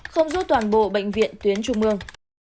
không rút toàn bộ bệnh viện tuyến trung mương